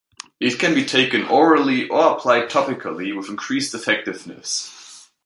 It can be taken orally or applied topically with increased effectiveness.